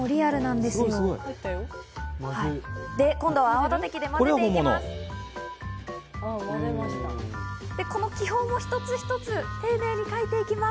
で、今度は泡だて器で泡立てていきます。